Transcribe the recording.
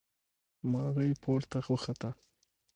مرغۍ پورته وخته.